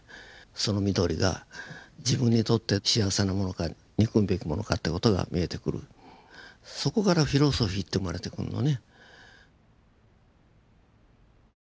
その緑が自分にとって幸せなものか憎むべきものかって事が見えてくるそこからフィロソフィーって生まれてくんのね。